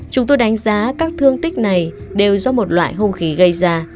chúng tôi đánh giá các thương tích này đều do một loại hung khí gây ra